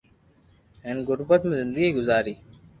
ھين غربت ۾ زندگي گزاري